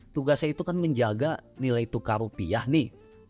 tugasnya itu kan menjaga nilai tukar rupiah nih